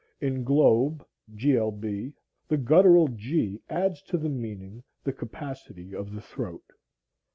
In globe, glb, the guttural g adds to the meaning the capacity of the throat.